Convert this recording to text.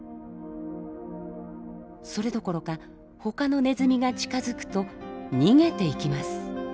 それどころかほかのネズミが近づくと逃げていきます。